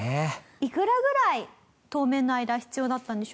いくらぐらい当面の間必要だったんでしょうか？